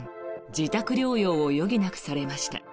自宅療養を余儀なくされました。